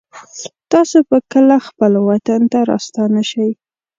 تاسو به کله خپل وطن ته راستانه شئ